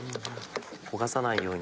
焦がさないように。